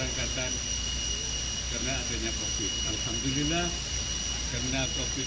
dilepas langsung oleh wakil presiden ma'ruf amin bersama gubernur jawa timur